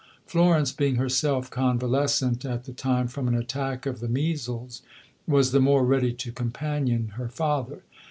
Florence, being herself convalescent at the time from an attack of the measles, was the more ready to companion her father.